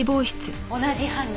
同じ犯人